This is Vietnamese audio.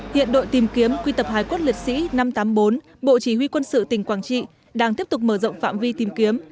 hiện đội tìm kiếm quy tập hải quốc liệt sĩ năm trăm tám mươi bốn bộ chỉ huy quân sự tỉnh quảng trị đang tiếp tục mở rộng phạm vi tìm kiếm